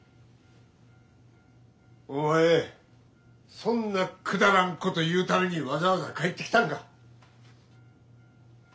お前そんなくだらんこと言うためにわざわざ帰ってきたんか。